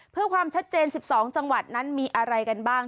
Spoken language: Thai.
เพื่อความชัดเจน๑๒จังหวัดนั้นมีอะไรกันบ้าง